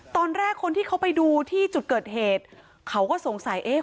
ตอนแรกคนที่เขาไปดูที่จุดเกิดเหตุเขาก็สงสัยเอ๊ะ